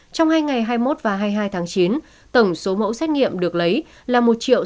trong hai ngày hai mươi một và hai mươi hai tháng chín tổng số mẫu xét nghiệm được lấy là một sáu trăm hai mươi bốn chín trăm hai mươi sáu